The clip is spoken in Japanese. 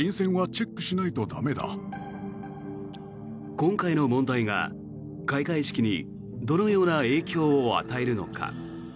今回の問題が開会式にどのような影響を与えるのか。